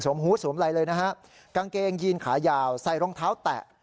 หูสวมอะไรเลยนะฮะกางเกงยีนขายาวใส่รองเท้าแตะ